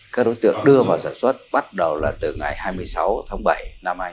các đối tượng đưa vào sản xuất bắt đầu là từ ngày hai mươi sáu tháng bảy năm hai nghìn hai mươi